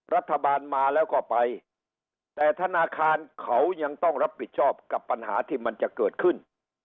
รัฐบาลมาแล้วก็ไปแต่ธนาคารเขายังต้องรับผิดชอบกับปัญหาที่มันจะเกิดขึ้น